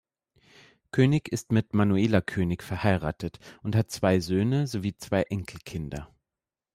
König ist mit Manuela König verheiratet und hat zwei Söhne sowie zwei Enkelkinder.